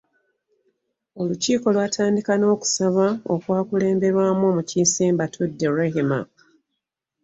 Olukiiko lwatandika n’okusaba okwakulemberwa omukiise Mbatudde Rehema.